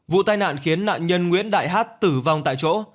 vụ tai nạn khiến nạn nhân nguyễn đại hát tử vong tại chỗ